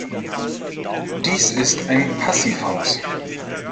Dies ist ein Passivhaus.